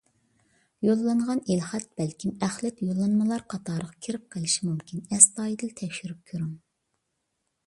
يوللانغان ئېلخەت بەلكىم ئەخلەت يوللانمىلار قاتارىغا كىرىپ قېلىشى مۇمكىن، ئەستايىدىل تەكشۈرۈپ كۆرۈڭ.